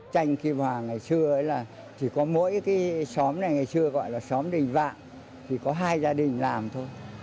tranh kim hoàng ngày xưa chỉ có mỗi xóm này ngày xưa gọi là xóm đình vạng thì có hai gia đình làm thôi